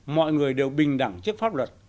mọi người đều bình đẳng trước pháp luật